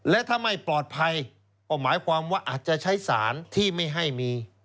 และถ้าไม่ปลอดภัยก็หมายความว่าอาจจะใช้สารที่ไม่ให้มี